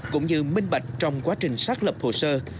cũng như minh bạch trong quá trình xác lập hồ sơ